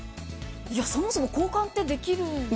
そもそも交換ってできるんですか。